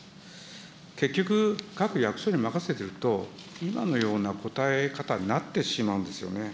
結局、各役所に任せてると、今のような答え方になってしまうんですよね。